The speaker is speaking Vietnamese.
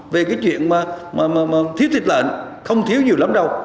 về cái chuyện mà thiếu thịt lợn không thiếu nhiều lắm đâu